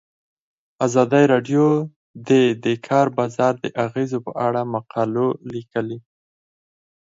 ازادي راډیو د د کار بازار د اغیزو په اړه مقالو لیکلي.